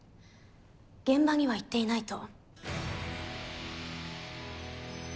現場には行っていないと。